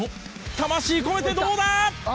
魂込めてどうだ？